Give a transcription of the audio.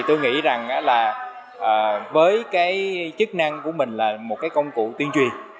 tôi nghĩ rằng với chức năng của mình là một công cụ tuyên truyền